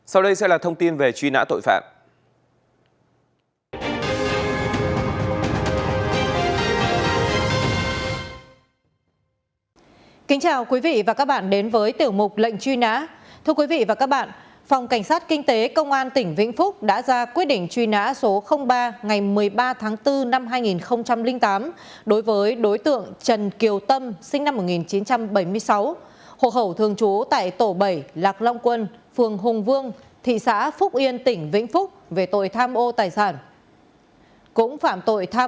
sau đây sẽ là thông tin về truy nã tội phạm